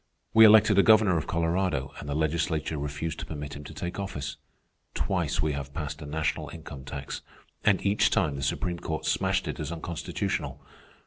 We elected a governor of Colorado, and the legislature refused to permit him to take office. Twice we have passed a national income tax, and each time the supreme court smashed it as unconstitutional.